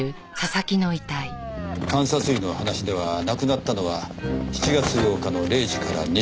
監察医の話では亡くなったのは７月８日の０時から２時の間。